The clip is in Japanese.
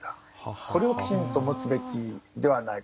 これをきちんと持つべきではないか。